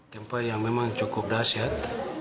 gempa yang memang cukup dahsyat